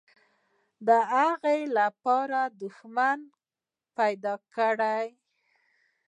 د هغه لپاره دښمنان پیدا کړي.